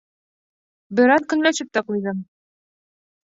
Бер аҙ көнләшеп тә ҡуйҙым.